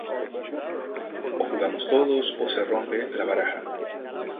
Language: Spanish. O jugamos todos, o se rompe la baraja